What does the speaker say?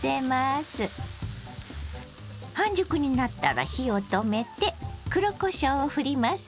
半熟になったら火を止めて黒こしょうをふります。